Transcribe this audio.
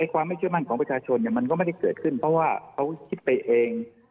ความไม่เชื่อมั่นของประชาชนมันก็ไม่ได้เกิดขึ้นเพราะว่าเขาคิดไปเอง